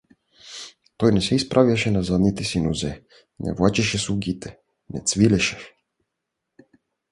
Той не се изправяше на задните си нозе, не влачеше слугите, не цвилеше.